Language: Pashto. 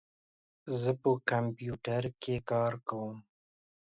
زه په کمپیوټر کې کار کوم.